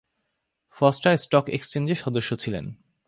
Foster stock এক্সচেঞ্জের সদস্য ছিলেন।